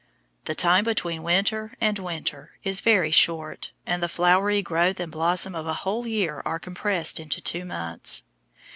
The time between winter and winter is very short, and the flowery growth and blossom of a whole year are compressed into two months.